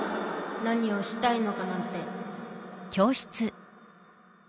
何をしたいのかなんて。